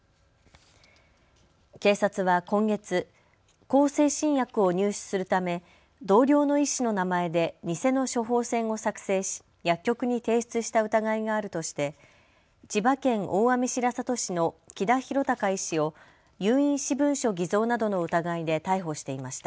警察は今月、向精神薬を入手するため同僚の医師の名前で偽の処方箋を作成し薬局に提出した疑いがあるとして千葉県大網白里市の木田博隆医師を有印私文書偽造などの疑いで逮捕していました。